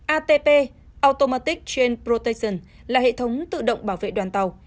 atp automatic chain protection là hệ thống tự động bảo vệ đoàn tàu